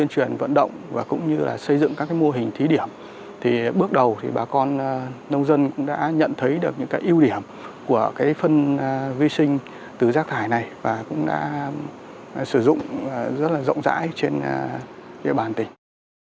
các con nông dân cũng đã nhận thấy được những cái ưu điểm của cái phân vi sinh từ rác thải này và cũng đã sử dụng rất là rộng rãi trên địa bàn tình